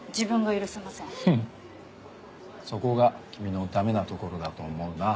フフッそこが君の駄目なところだと思うな。